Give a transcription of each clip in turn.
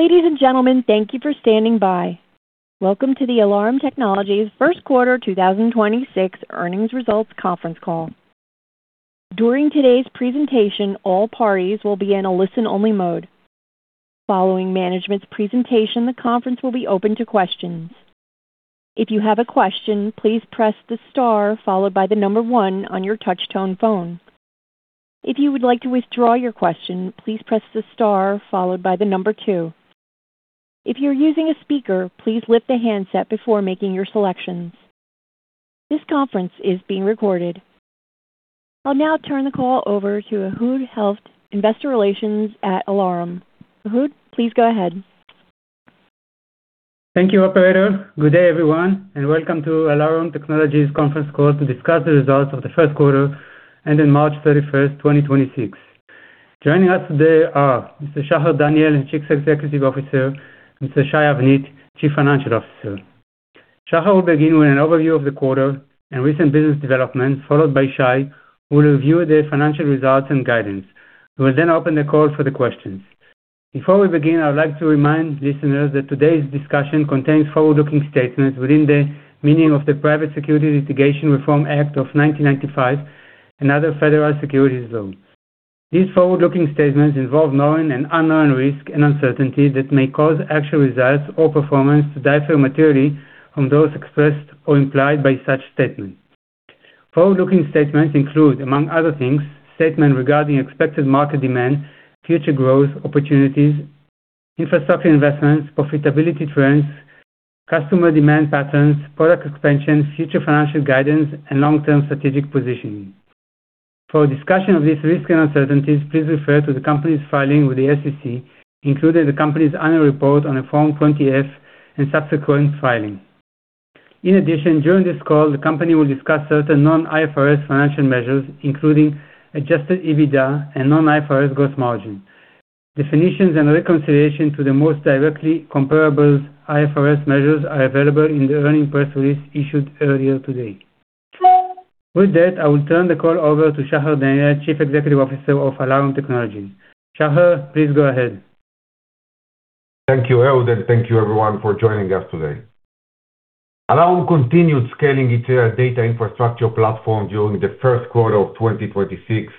Ladies and gentlemen, thank you for standing by. Welcome to the Alarum Technologies first quarter 2026 earnings results conference call. During today's presentation, all parties will be in a listen-only mode. Following management's presentation, the conference will be open to questions. If you have a question please press the star followed by the number one on your touch tone phone. If you would like to withdraw your question, please press the star followed by the number two. If your're using a speaker, please lift the headset before making your selections. This conference is being recorded. I'll now turn the call over to Ehud Helft, Investor Relations at Alarum. Ehud, please go ahead. Thank you, operator. Good day, everyone, welcome to Alarum Technologies conference call to discuss the results of the first quarter ending March 31st, 2026. Joining us today are Mr. Shachar Daniel, Chief Executive Officer, and Mr. Shai Avnit, Chief Financial Officer. Shachar will begin with an overview of the quarter and recent business developments, followed by Shai, who will review the financial results and guidance. We will open the call for the questions. Before we begin, I would like to remind listeners that today's discussion contains forward-looking statements within the meaning of the Private Securities Litigation Reform Act of 1995 and other federal securities laws. These forward-looking statements involve known and unknown risks and uncertainties that may cause actual results or performance to differ materially from those expressed or implied by such statements. Forward-looking statements include, among other things, statements regarding expected market demand, future growth, opportunities, infrastructure investments, profitability trends, customer demand patterns, product expansion, future financial guidance, and long-term strategic positioning. For a discussion of these risks and uncertainties, please refer to the company's filing with the SEC, including the company's annual report on Form 20-F and subsequent filings. In addition, during this call, the company will discuss certain non-IFRS financial measures, including adjusted EBITDA and non-IFRS gross margin. Definitions and reconciliation to the most directly comparable IFRS measures are available in the earnings press release issued earlier today. With that, I will turn the call over to Shachar Daniel, Chief Executive Officer of Alarum Technologies. Shachar, please go ahead. Thank you, Ehud. Thank you everyone for joining us today. Alarum continued scaling its data infrastructure platform during the first quarter of 2026,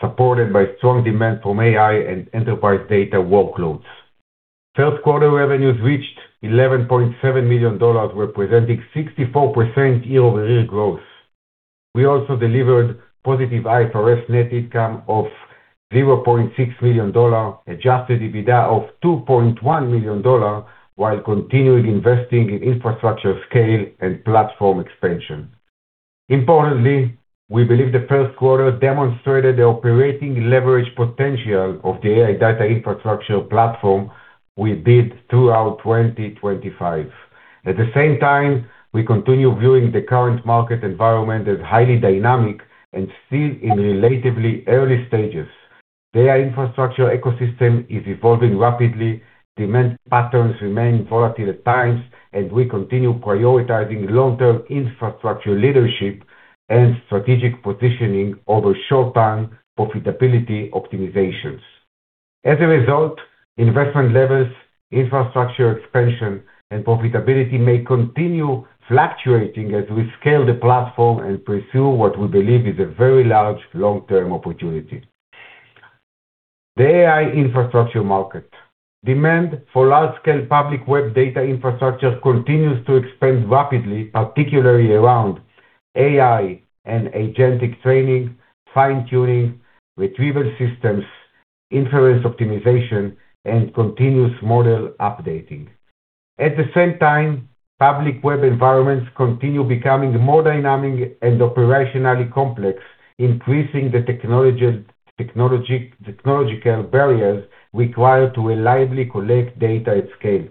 supported by strong demand from AI and enterprise data workloads. First quarter revenues reached $11.7 million, representing 64% year-over-year growth. We also delivered positive IFRS net income of $0.6 million, adjusted EBITDA of $2.1 million while continuing investing in infrastructure scale and platform expansion. Importantly, we believe the first quarter demonstrated the operating leverage potential of the AI data infrastructure platform we built throughout 2025. At the same time, we continue viewing the current market environment as highly dynamic and still in relatively early stages. The AI infrastructure ecosystem is evolving rapidly, demand patterns remain volatile at times, and we continue prioritizing long-term infrastructure leadership and strategic positioning over short-term profitability optimizations. As a result, investment levels, infrastructure expansion, and profitability may continue fluctuating as we scale the platform and pursue what we believe is a very large long-term opportunity. The AI infrastructure market. Demand for large-scale public web data infrastructure continues to expand rapidly, particularly around AI and agentic training, fine-tuning, retrieval systems, inference optimization, and continuous model updating. At the same time, public web environments continue becoming more dynamic and operationally complex, increasing the technological barriers required to reliably collect data at scale.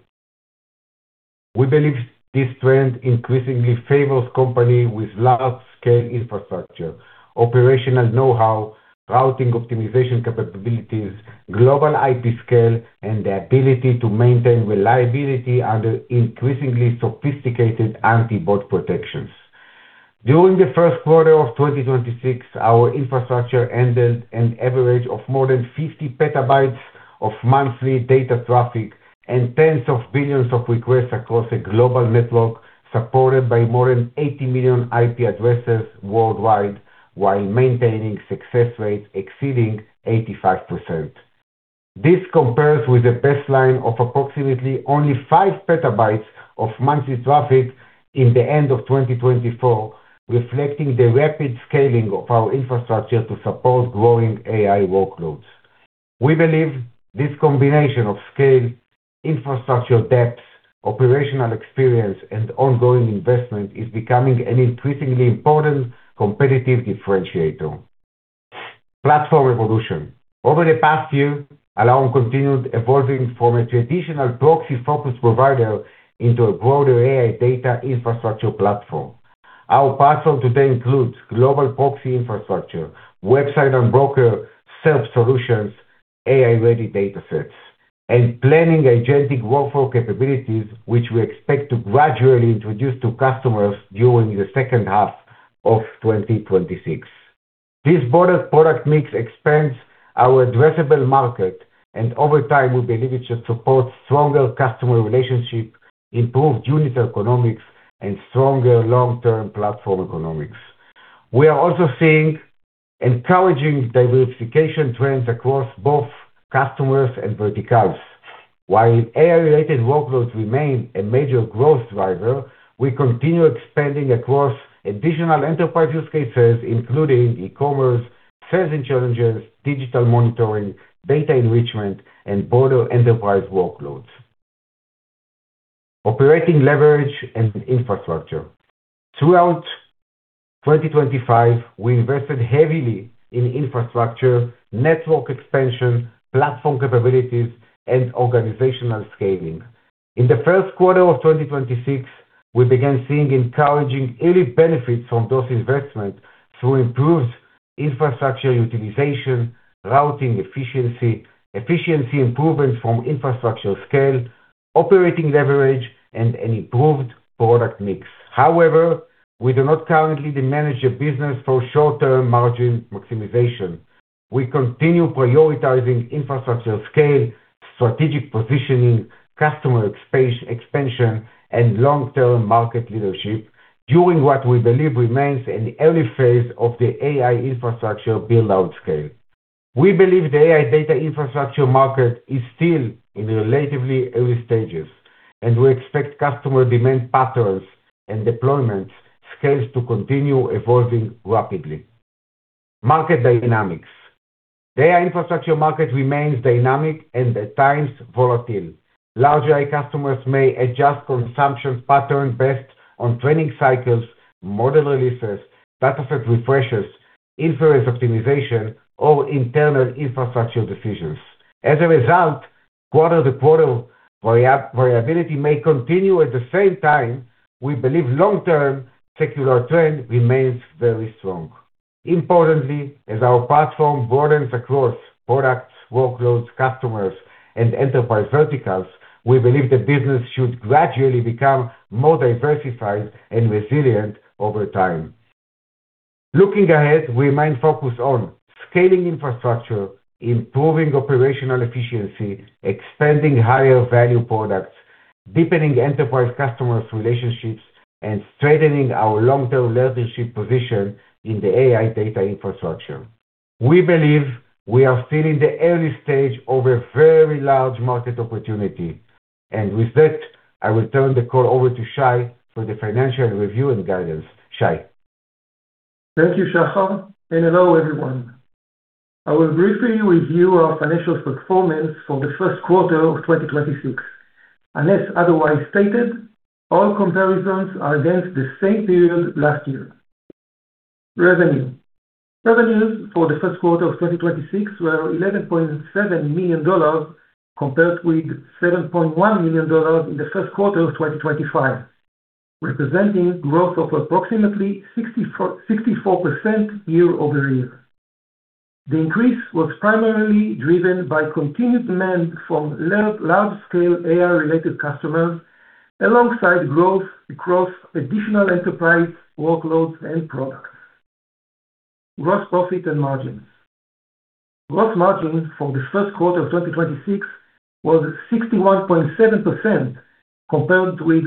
We believe this trend increasingly favors companies with large-scale infrastructure, operational know-how, routing optimization capabilities, global IP scale, and the ability to maintain reliability under increasingly sophisticated anti-bot protections. During the first quarter of 2026, our infrastructure handled an average of more than 50 PB of monthly data traffic and tens of billions of requests across a global network supported by more than 80 million IP addresses worldwide while maintaining success rates exceeding 85%. This compares with a baseline of approximately only 5 PB of monthly traffic in the end of 2024, reflecting the rapid scaling of our infrastructure to support growing AI workloads. We believe this combination of scale, infrastructure depth, operational experience, and ongoing investment is becoming an increasingly important competitive differentiator. Platform evolution. Over the past year, Alarum continued evolving from a traditional proxy-focused provider into a broader AI data infrastructure platform. Our platform today includes global proxy infrastructure, Website Unblocker self-solutions, AI-ready datasets, and planning agentic workflow capabilities, which we expect to gradually introduce to customers during the second half of 2026. This broader product mix expands our addressable market, and over time, we believe it should support stronger customer relationships, improved unit economics, and stronger long-term platform economics. We are also seeing encouraging diversification trends across both customers and verticals. While AI-related workloads remain a major growth driver, we continue expanding across additional enterprise use cases, including e-commerce, sales intelligence, digital monitoring, data enrichment, and broader enterprise workloads. Operating leverage and infrastructure. Throughout 2025, we invested heavily in infrastructure, network expansion, platform capabilities, and organizational scaling. In the first quarter of 2026, we began seeing encouraging early benefits from those investments through improved infrastructure utilization, routing efficiency improvements from infrastructure scale, operating leverage, and an improved product mix. However, we do not currently manage the business for short-term margin maximization. We continue prioritizing infrastructure scale, strategic positioning, customer expansion, and long-term market leadership during what we believe remains an early phase of the AI infrastructure build-out scale. We believe the AI data infrastructure market is still in the relatively early stages. We expect customer demand patterns and deployment scales to continue evolving rapidly. Market dynamics. Data infrastructure market remains dynamic and, at times, volatile. Large AI customers may adjust consumption patterns based on training cycles, model releases, data set refreshes, inference optimization, or internal infrastructure decisions. As a result, quarter-to-quarter variability may continue. At the same time, we believe long-term secular trend remains very strong. Importantly, as our platform broadens across products, workloads, customers, and enterprise verticals, we believe the business should gradually become more diversified and resilient over time. Looking ahead, we remain focused on scaling infrastructure, improving operational efficiency, expanding higher value products, deepening enterprise customers' relationships, and strengthening our long-term leadership position in the AI data infrastructure. We believe we are still in the early stage of a very large market opportunity. With that, I will turn the call over to Shai for the financial review and guidance. Shai? Thank you, Shachar, and hello, everyone. I will briefly review our financial performance for the first quarter of 2026. Unless otherwise stated, all comparisons are against the same period last year. Revenue, revenues for the first quarter of 2026 were $11.7 million, compared with $7.1 million in the first quarter of 2025, representing growth of approximately 64% year-over-year. The increase was primarily driven by continued demand from large-scale AI-related customers, alongside growth across additional enterprise workloads and products. Gross profit and margins, gross margin for the first quarter of 2026 was 61.7%, compared with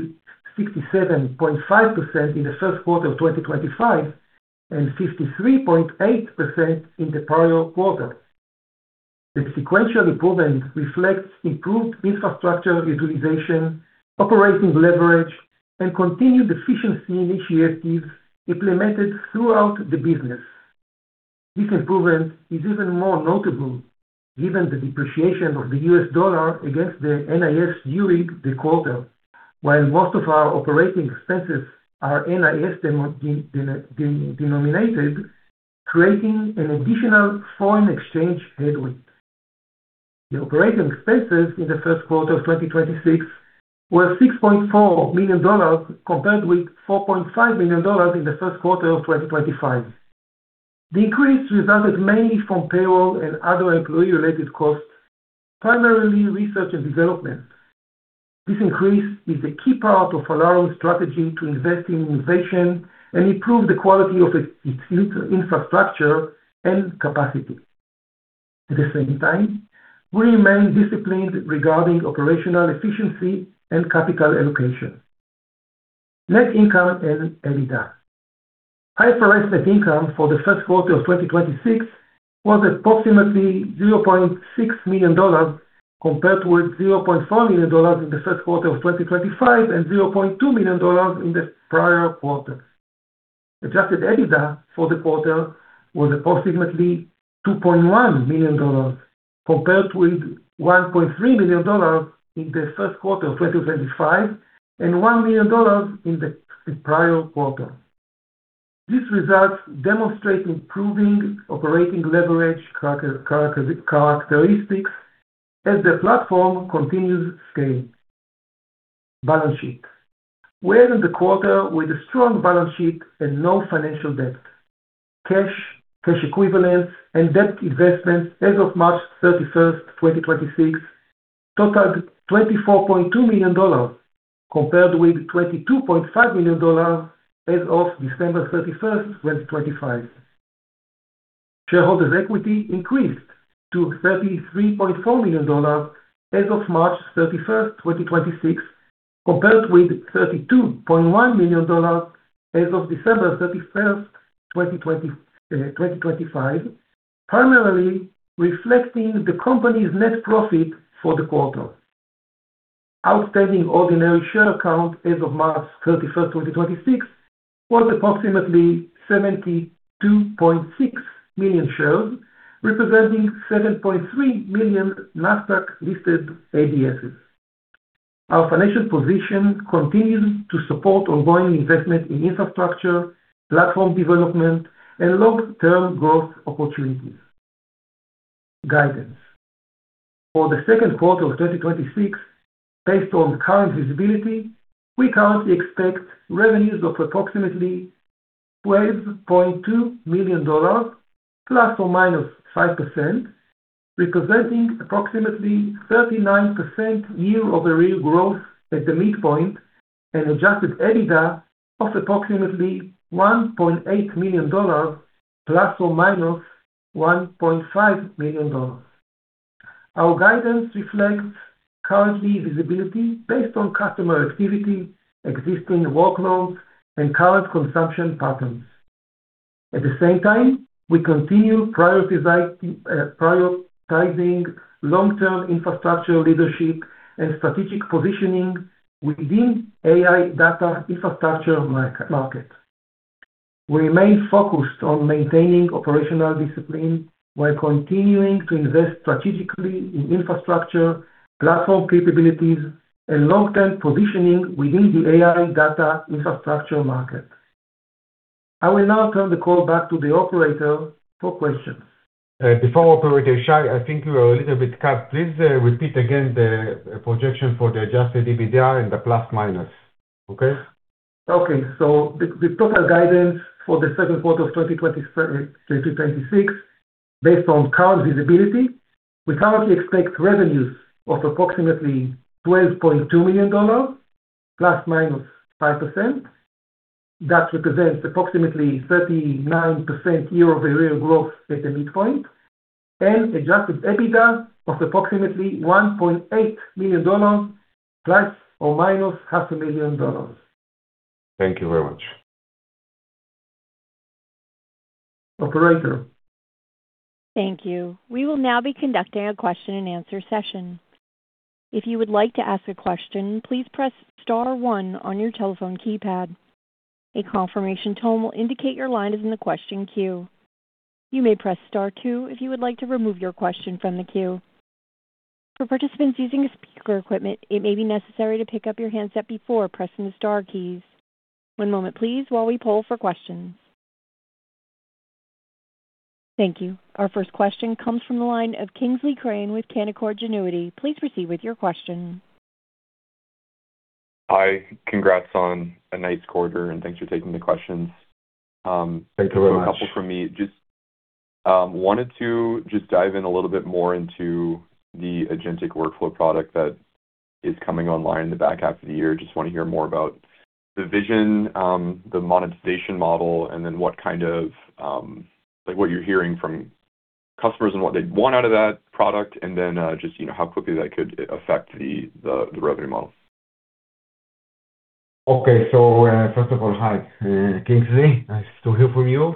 67.5% in the first quarter of 2025 and 53.8% in the prior quarter. The sequential improvement reflects improved infrastructure utilization, operating leverage, and continued efficiency initiatives implemented throughout the business. This improvement is even more notable given the depreciation of the U.S. dollar against the NIS during the quarter. While most of our operating expenses are NIS-denominated, creating an additional foreign exchange headwind. The operating expenses in the first quarter of 2026 were $6.4 million, compared with $4.5 million in the first quarter of 2025. The increase resulted mainly from payroll and other employee-related costs, primarily research and development. This increase is a key part of Alarum's strategy to invest in innovation and improve the quality of its infrastructure and capacity. At the same time, we remain disciplined regarding operational efficiency and capital allocation. Net income and EBITDA. IFRS net income for the first quarter of 2026 was approximately $0.6 million, compared with $0.4 million in the first quarter of 2025 and $0.2 million in the prior quarter. Adjusted EBITDA for the quarter was approximately $2.1 million, compared with $1.3 million in the first quarter of 2025 and $1 million in the prior quarter. These results demonstrate improving operating leverage characteristics as the platform continues to scale. Balance sheet, we end the quarter with a strong balance sheet and no financial debt. Cash, cash equivalents, and debt investments as of March 31st, 2026 totaled $24.2 million, compared with $22.5 million as of December 31st, 2025. Shareholders' equity increased to $33.4 million as of March 31st, 2026, compared with $32.1 million as of December 31st, 2025, primarily reflecting the company's net profit for the quarter. Outstanding ordinary share count as of March 31st, 2026 was approximately 72.6 million shares, representing 7.3 million Nasdaq listed ADSs. Our financial position continues to support ongoing investment in infrastructure, platform development, and long-term growth opportunities. Guidance. For the second quarter of 2026, based on current visibility, we currently expect revenues of approximately $12.2 million, ±5%, representing approximately 39% year-over-year growth at the midpoint and adjusted EBITDA of approximately $1.8 million ±$500.000. Our guidance reflects current visibility based on customer activity, existing workloads, and current consumption patterns. At the same time, we continue prioritizing long-term infrastructure leadership and strategic positioning within AI data infrastructure market. We remain focused on maintaining operational discipline while continuing to invest strategically in infrastructure, platform capabilities, and long-term positioning within the AI data infrastructure market. I will now turn the call back to the operator for questions. Before operator, Shai, I think you were a little bit cut. Please repeat again the projection for the adjusted EBITDA and the plus minus. Okay? Okay. The total guidance for the second quarter of 2026, based on current visibility, we currently expect revenues of approximately $12.2 million ±5%. That represents approximately 39% year-over-year growth at the midpoint, and adjusted EBITDA of approximately $1.8 million, ±$500,000. Thank you very much. Operator. Thank you. We will now be conducting a question and answer session. If you would like to ask a question, please press star one on your telephone keypad. A confirmation tone will indicate your line is in the question queue. You may press star two if you would like to remove your question from the queue. For participants using speaker equipment, it may be necessary to pick up your handset before pressing the star keys. One moment please while we poll for questions. Thank you. Our first question comes from the line of Kingsley Crane with Canaccord Genuity. Please proceed with your question. Hi. Congrats on a nice quarter, and thanks for taking the questions. Thank you very much. A couple from me. Just wanted to dive in a little bit more into the agentic workflow product that is coming online in the back half of the year. Just want to hear more about the vision, the monetization model, what you're hearing from customers and what they want out of that product, how quickly that could affect the revenue model. Okay. First of all, hi, Kingsley. Nice to hear from you,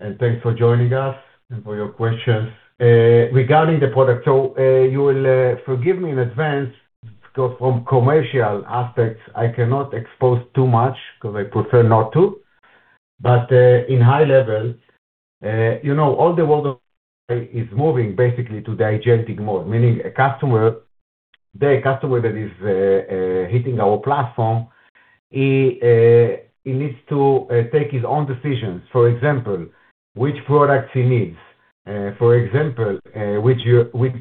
and thanks for joining us and for your questions. Regarding the product, you will forgive me in advance because from commercial aspects, I cannot expose too much because I prefer not to. In high level, all the world is moving basically to agentic mode, meaning the customer that is hitting our platform, he needs to take his own decisions. For example, which products he needs. For example, which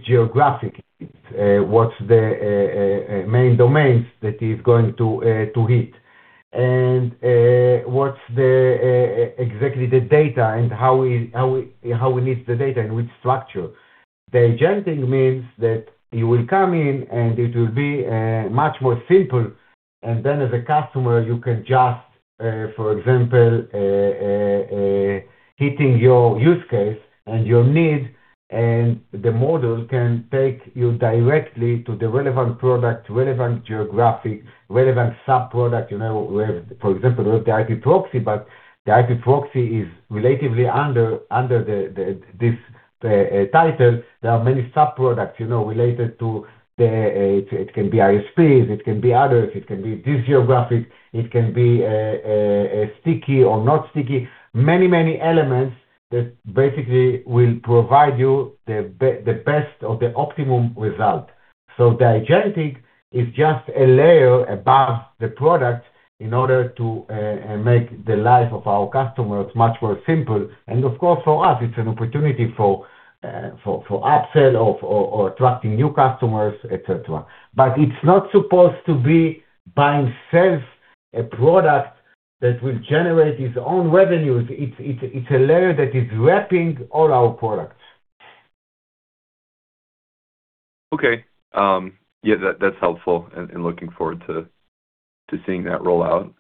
geographic he needs, what's the main domains that he's going to hit. What's exactly the data and how he needs the data, and which structure. The agentic means that you will come in, and it will be much more simple, and then as a customer, you can just, for example, hitting your use case and your need, and the model can take you directly to the relevant product, relevant geographic, relevant sub-product. For example, the IP proxy, but the IP proxy is relatively under this title. There are many sub-products related to it can be ISPs, it can be others, it can be this geographic, it can be sticky or not sticky. Many elements that basically will provide you the best or the optimum result. Agentic is just a layer above the product in order to make the life of our customers much more simple. Of course, for us, it's an opportunity for upsell or attracting new customers, et cetera. It's not supposed to be buying, sell a product that will generate its own revenues. It's a layer that is wrapping all our products. Okay. Yeah, that's helpful and looking forward to seeing that roll out.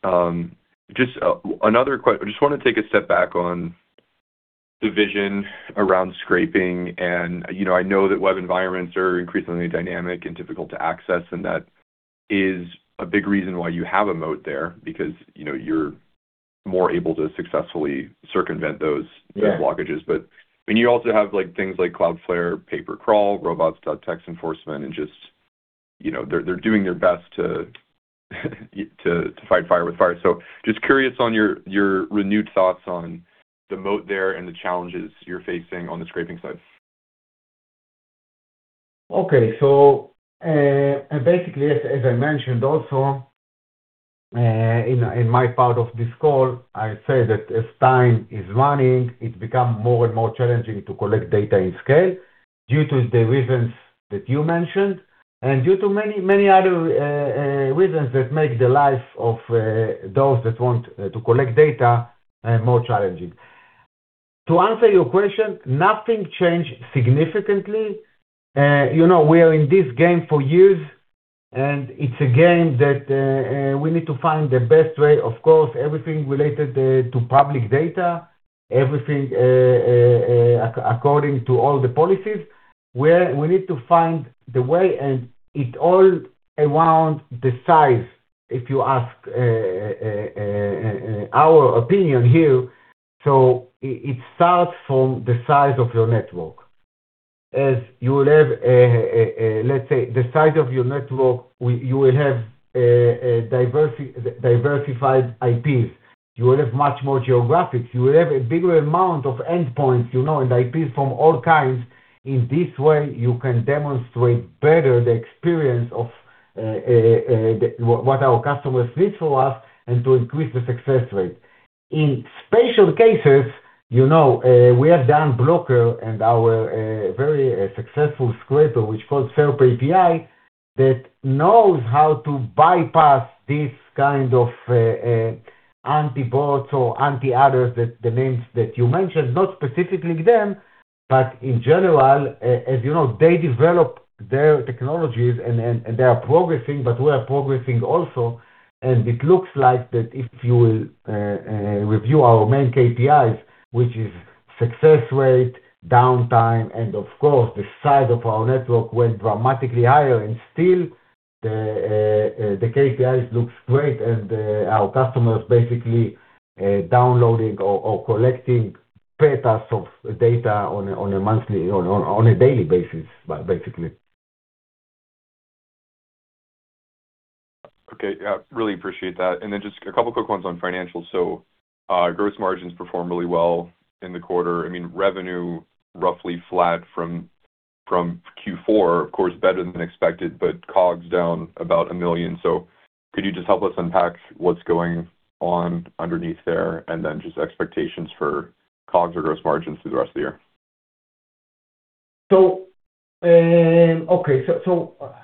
Just another question. I just want to take a step back on the vision around scraping and I know that web environments are increasingly dynamic and difficult to access, and that is a big reason why you have a moat there, because you're more able to successfully circumvent those. Yeah. Blockages. You also have things like Cloudflare, Pay per crawl, robots.txt enforcement, and just they're doing their best to fight fire with fire. Just curious on your renewed thoughts on the moat there and the challenges you're facing on the scraping side? Okay. Basically, as I mentioned also, in my part of this call, I say that as time is running, it become more and more challenging to collect data in scale due to the reasons that you mentioned and due to many other reasons that make the life of those that want to collect data more challenging. To answer your question, nothing changed significantly. We are in this game for years, and it's a game that we need to find the best way, of course, everything related to public data, everything according to all the policies, where we need to find the way and it all around the size, if you ask our opinion here. It starts from the size of your network. As you will have, let's say, the size of your network, you will have a diversified IPs. You will have much more geographics. You will have a bigger amount of endpoints, and IPs from all kinds. In this way, you can demonstrate better the experience of what our customers need from us and to increase the success rate. In special cases, we have Website Unblocker and our very successful scraper, which calls SERP Scraper API, that knows how to bypass this kind of anti-bots or anti others, the names that you mentioned, not specifically them, but in general, as you know, they develop their technologies and they are progressing, but we are progressing also, and it looks like that if you will review our main KPIs, which is success rate, downtime, and of course, the size of our network went dramatically higher and still, the KPIs looks great and our customers basically downloading or collecting petas of data on a monthly or on a daily basis, basically. Okay. Yeah, really appreciate that. Then just a couple quick ones on financials. Gross margins performed really well in the quarter. Revenue roughly flat from Q4, of course, better than expected, but COGS down about $1 million. Could you just help us unpack what's going on underneath there and then just expectations for COGS or gross margins through the rest of the year? Okay.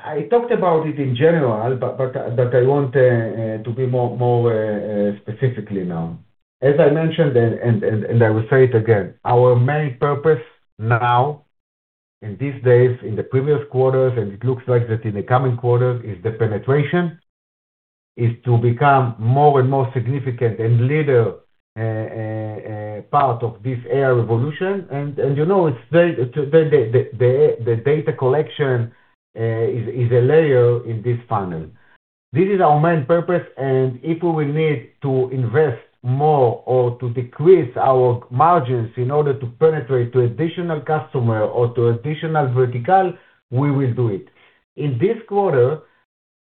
I talked about it in general, but I want to be more specifically now. As I mentioned, and I will say it again, our main purpose now in these days, in the previous quarters, and it looks like that in the coming quarters, is the penetration, is to become more and more significant and leader part of this AI revolution. You know, the data collection is a layer in this funnel. This is our main purpose, and if we will need to invest more or to decrease our margins in order to penetrate to additional customer or to additional vertical, we will do it. In this quarter,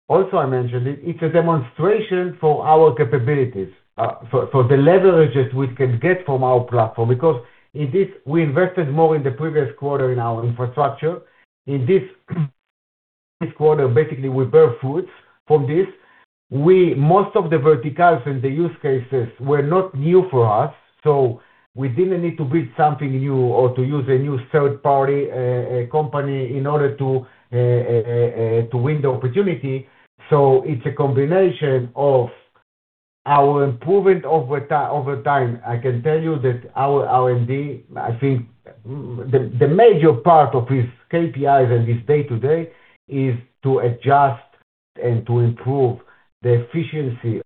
also, I mentioned it's a demonstration for our capabilities, for the leverages we can get from our platform because we invested more in the previous quarter in our infrastructure. In this quarter, basically, we bear fruits from this. Most of the verticals and the use cases were not new for us. We didn't need to build something new or to use a new third-party company in order to win the opportunity. I can tell you that our R&D, I think the major part of his KPIs and his day-to-day is to adjust and to improve the efficiency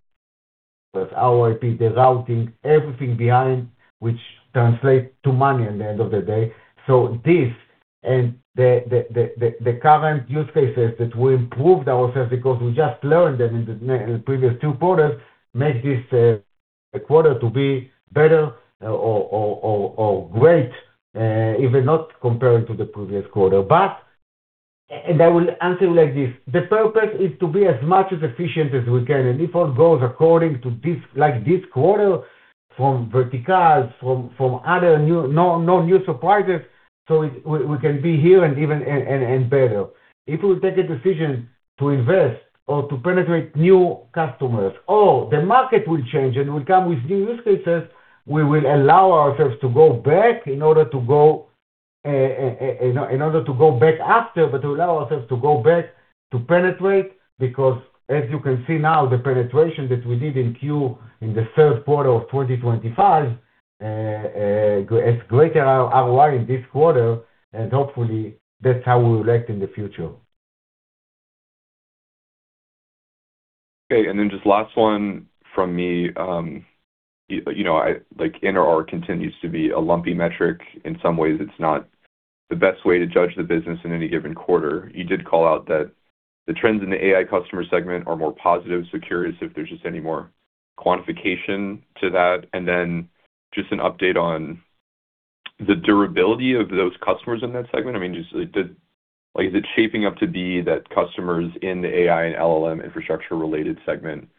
of our IP, the routing, everything behind, which translate to money at the end of the day. This and the current use cases that we improved ourselves because we just learned them in the previous two quarters, make this quarter to be better or great, even not comparing to the previous quarter. I will answer you like this, the purpose is to be as much as efficient as we can. If all goes according to this quarter from verticals, from other no new surprises, we can be here and even better. If we take a decision to invest or to penetrate new customers, or the market will change and will come with new use cases, we will allow ourselves to go back in order to go back after, but to allow ourselves to go back to penetrate, because as you can see now, the penetration that we did in Q, in the third quarter of 2025, is greater ROI in this quarter. Hopefully that's how we'll react in the future. Okay, just last one from me. NRR continues to be a lumpy metric. In some ways, it's not the best way to judge the business in any given quarter. You did call out that the trends in the AI customer segment are more positive, curious if there's just any more quantification to that, and then just an update on the durability of those customers in that segment. Is it shaping up to be that customers in the AI and LLM infrastructure-related segment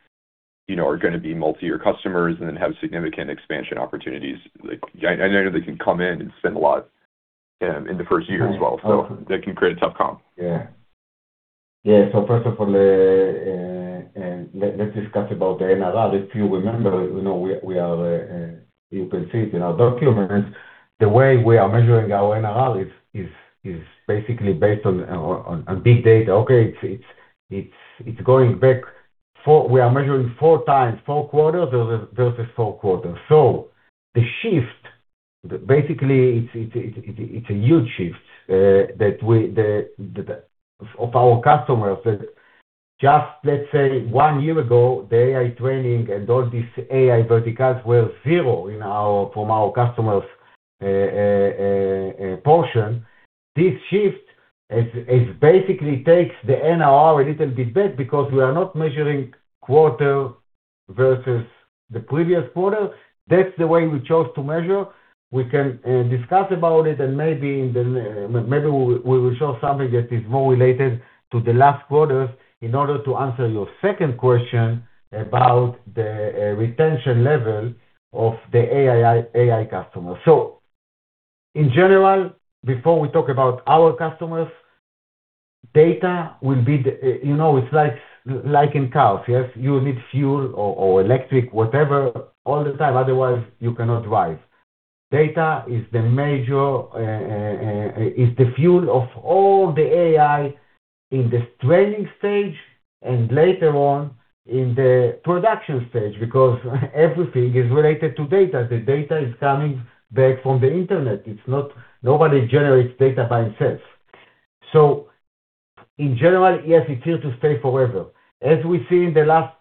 are going to be multi-year customers and then have significant expansion opportunities? I know they can come in and spend a lot in the first year as well, that can create a tough comp. First of all, let's discuss about the NRR. If you remember, you can see it in our documents. The way we are measuring our NRR is basically based on big data, okay. We are measuring four times, four quarters versus four quarters. The shift, basically, it's a huge shift of our customers that just, let's say, one year ago, the AI training and all these AI verticals were zero from our customers' portion. This shift, it basically takes the NRR a little bit back because we are not measuring quarter versus the previous quarter. That's the way we chose to measure. We can discuss about it and maybe we will show something that is more related to the last quarters in order to answer your second question about the retention level of the AI customer. In general, before we talk about our customers, data, it's like in cars, yes. You need fuel or electric, whatever, all the time, otherwise you cannot drive. Data is the fuel of all the AI in the training stage and later on in the production stage, because everything is related to data. The data is coming back from the internet. Nobody generates data by himself. In general, yes, it's here to stay forever. As we see in the last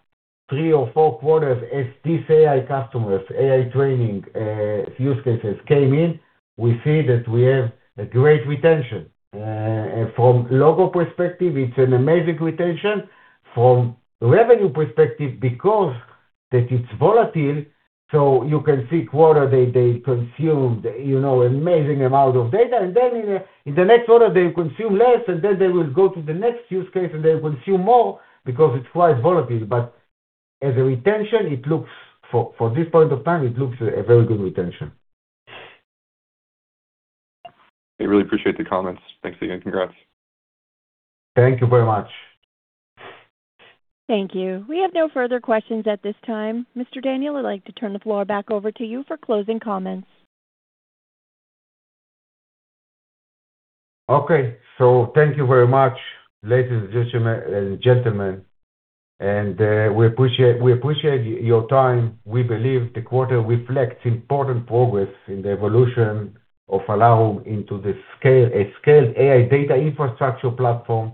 three or four quarters, as these AI customers, AI training use cases came in, we see that we have a great retention. From logo perspective, it's an amazing retention. From revenue perspective, because that it's volatile, so you can see quarter, they consumed amazing amount of data, and then in the next quarter, they consume less, and then they will go to the next use case, and they consume more because it's quite volatile. As a retention, for this point of time, it looks a very good retention. I really appreciate the comments. Thanks again. Congrats. Thank you very much. Thank you. We have no further questions at this time. Mr. Daniel, I'd like to turn the floor back over to you for closing comments. Okay. Thank you very much, ladies and gentlemen, and we appreciate your time. We believe the quarter reflects important progress in the evolution of Alarum into a scaled AI data infrastructure platform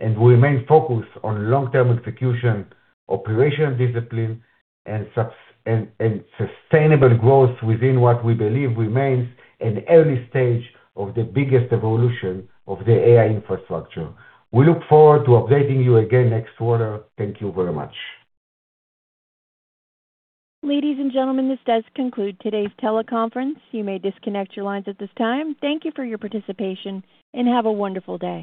and remain focused on long-term execution, operational discipline, and sustainable growth within what we believe remains an early stage of the biggest evolution of the AI infrastructure. We look forward to updating you again next quarter. Thank you very much. Ladies and gentlemen, this does conclude today's teleconference. You may disconnect your lines at this time. Thank you for your participation, and have a wonderful day.